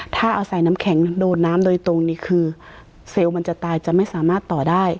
ถ้าเอาใส่น้ำแข็งโดดน้ำโดยตรงนี้คือเซลล์มันจะตายจะไม่สามารถต่อได้